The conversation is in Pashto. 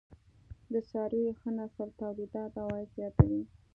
د څارويو ښه نسل تولیدات او عاید زیاتوي.